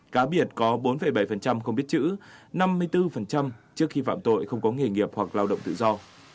cá biệt có bốn bảy không biết chữ năm mươi bốn trước khi phạm tội không có nghề nghiệp hoặc lao động tự do